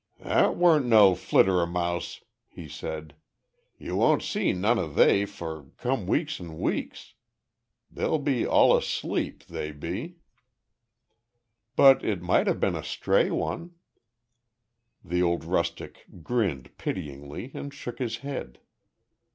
"That warn't no flittermaouse," he said. "Yew won't see none o' they for come weeks and weeks. They be all asleep they be." "But it might have been a stray one." The old rustic grinned pityingly and shook his head.